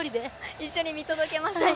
一緒に見届けましょう。